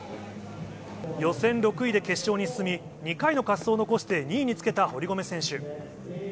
予選６位で決勝に進み、２回の滑走を残して２位につけた堀米選手。